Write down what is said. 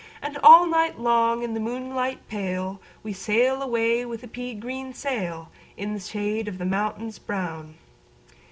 And all night long, in the moonlight pale, We sail away with a pea green sailIn the shade of the mountains brown."